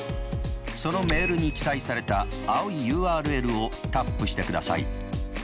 そのメールに記載された青いＵＲＬをタップしてください。